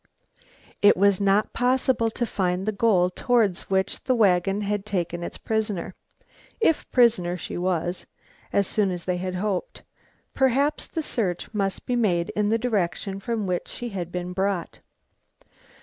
It was not possible to find the goal towards which the wagon had taken its prisoner if prisoner she was as soon as they had hoped. Perhaps the search must be made in the direction from which she had been brought.